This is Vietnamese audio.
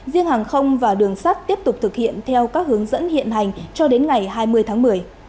riêng hàng không và đường sắt tiếp tục thực hiện theo các hướng dẫn hiện hành cho đến ngày hai mươi tháng một mươi